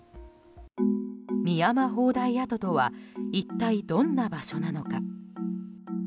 深山砲台跡とは一体どんな場所なのか。